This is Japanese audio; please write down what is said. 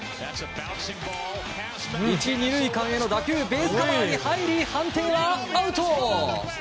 １、２塁間への打球ベースカバーに入り判定はアウト。